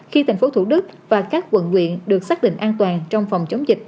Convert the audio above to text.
khi thành phố thủ đức và các quận nguyện được xác định an toàn trong phòng chống dịch